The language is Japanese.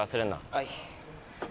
はい。